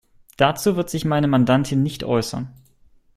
Dazu wird sich meine Mandantin nicht äußern.